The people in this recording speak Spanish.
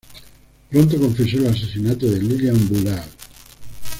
Pronto confesó el asesinato de Lillian Bullard.